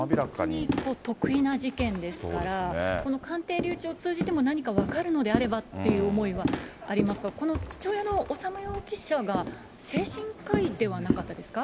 本当に特異な事件ですから、この鑑定留置を通じても、何か分かるのであればっていう思いはありますが、この父親の修容疑者が、精神科医ではなかったですか。